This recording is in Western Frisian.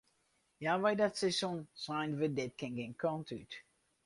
Healwei dat seizoen seinen we dit kin gjin kant út.